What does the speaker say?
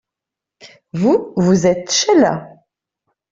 Vous, vous êtes Sheila.